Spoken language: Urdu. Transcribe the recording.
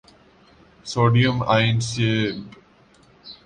سوڈئیم آئن سے ب